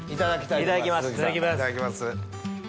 いただきます。